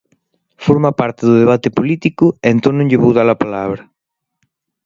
Forma parte do debate político e entón non lle vou dar a palabra.